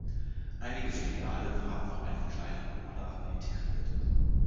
Einige Filialen haben noch einen kleinen Buchladen integriert.